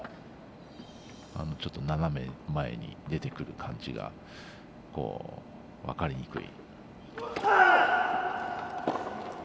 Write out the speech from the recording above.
斜め前に出てくる感じが分かりにくい。